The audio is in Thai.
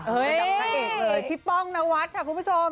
ให้กับนางเอกเลยพี่ป้องนวัดค่ะคุณผู้ชม